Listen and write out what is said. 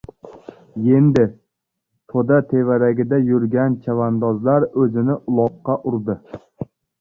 Yendi, to‘da tevaragida yurgan chavandozlar o‘zini uloqqa urdi.